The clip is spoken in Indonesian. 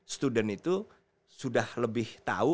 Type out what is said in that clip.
student itu sudah lebih tahu